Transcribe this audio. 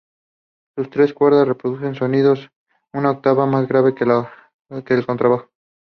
Sus tres cuerdas producen sonidos una octava más grave que el contrabajo.